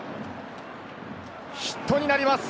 ヒットになります。